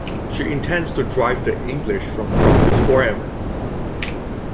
She intends to drive the English from France forever.